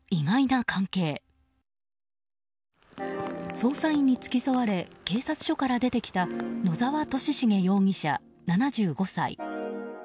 捜査員に付き添われ警察署から出てきた野澤俊重容疑者、７５歳。